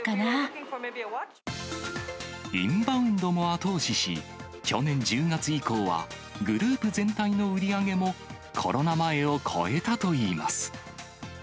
インバウンドも後押しし、去年１０月以降は、グループ全体の売り上げもコロナ前を超えたといいます。